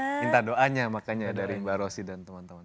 saya minta doanya makanya dari mbak rosy dan teman teman